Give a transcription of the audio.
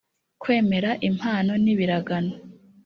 kwemera impano n ibiragano